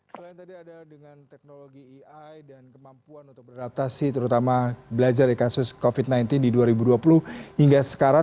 selain tadi ada dengan teknologi ai dan kemampuan untuk beradaptasi terutama belajar dari kasus covid sembilan belas di dua ribu dua puluh hingga sekarang